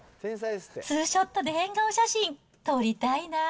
ツーショットで変顔写真、撮りたいなー。